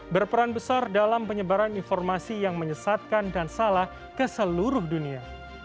berperan besar dalam penyebaran informasi yang menyesatkan dan salah ke seluruh dunia